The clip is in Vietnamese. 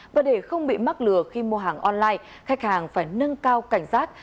và để không bị mắc lừa khi mua hàng online khách hàng phải nâng cao cảnh giác